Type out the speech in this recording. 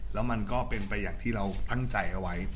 แล้วมันก็เป็นไปอย่างที่เราตั้งใจเอาไว้